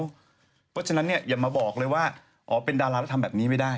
เพราะฉะนั้นเนี่ยอย่ามาบอกเลยว่าอ๋อเป็นดาราแล้วทำแบบนี้ไม่ได้